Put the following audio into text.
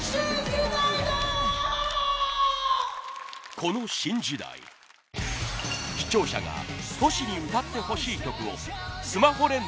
この『新時代』視聴者がＴｏｓｈｌに歌ってほしい曲をスマホ連打